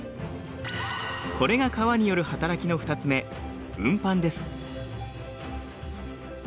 これが川による働きの２つ目「運搬」です。